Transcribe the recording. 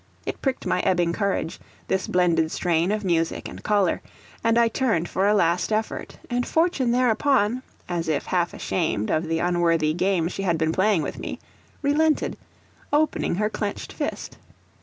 It pricked my ebbing courage, this blended strain of music and colour, and I turned for a last effort; and Fortune thereupon, as if half ashamed of the unworthy game she had been playing with me, relented, opening her clenched fist.